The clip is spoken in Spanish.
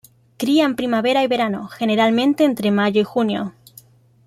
Cría en primavera y verano, generalmente entre mayo y junio.